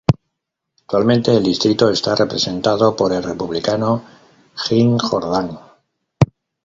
Actualmente el distrito está representado por el Republicano Jim Jordan.